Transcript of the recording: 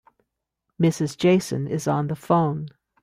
Mrs. Jason is on the phone.